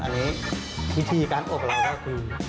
อันนี้วิธีการอบเราก็คือ